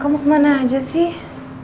kamu kemana aja sih